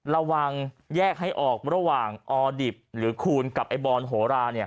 แยกให้ออกระหว่างออดิบหรือคูณกับไอ้บอนโหรา